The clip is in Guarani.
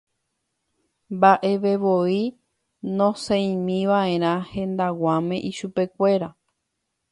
mba'evevoi nosẽimiva'erã hendag̃uáme ichupekuéra.